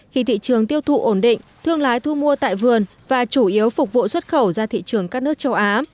khi thị trường tiêu thụ ổn định thương lái thu mua tại vườn và chủ yếu phục vụ xuất khẩu ra thị trường các nước châu á